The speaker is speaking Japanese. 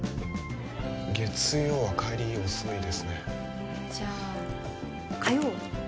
月曜は帰り遅いですねえじゃあ火曜は？